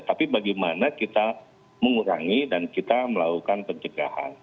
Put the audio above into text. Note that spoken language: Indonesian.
tapi bagaimana kita mengurangi dan kita melakukan pencegahan